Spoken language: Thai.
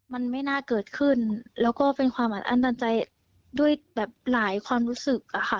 มันไม่น่าเกิดขึ้นแล้วก็เป็นความอัดอั้นตันใจด้วยแบบหลายความรู้สึกอะค่ะ